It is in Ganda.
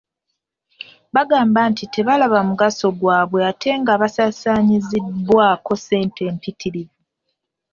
Bagamba nti tebalaba mugaso gwabwe ate nga basaasaanyizibwako ssente mpitirivu.